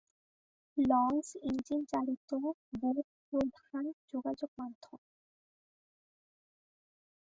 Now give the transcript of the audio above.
Launch, engine চালিত boat প্রধান যোগাযোগ মাধ্যম।